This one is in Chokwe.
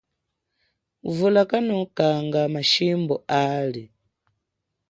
Vula kanokanga mashimbu ali.